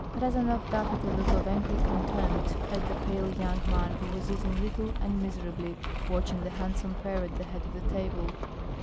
Rezanov darted a look of angry contempt at the pale young man who was eating little and miserably watching the handsome pair at the head of the table.